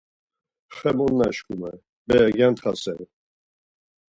Xe mot naşkume, bere gyantxaseren.